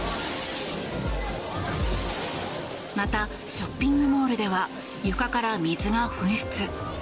また、ショッピングモールでは床から水が噴出。